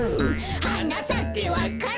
「はなさけわか蘭」